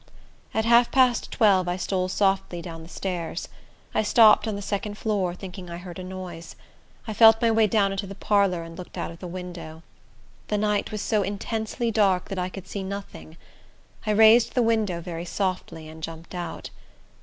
At half past twelve I stole softly down stairs. I stopped on the second floor, thinking I heard a noise. I felt my way down into the parlor, and looked out of the window. The night was so intensely dark that I could see nothing. I raised the window very softly and jumped out.